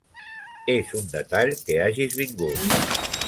És un detall que hagis vingut.